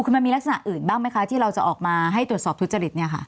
คือมันมีลักษณะอื่นบ้างไหมคะที่เราจะออกมาให้ตรวจสอบทุจริต